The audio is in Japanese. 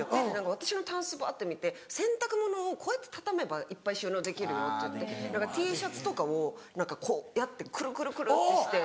私のタンスバって見て「洗濯物をこうやって畳めばいっぱい収納できるよ」って言ってＴシャツとかを何かこうクルクルクルってして。